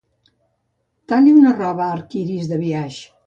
Talli una roba arc-iris de biaix.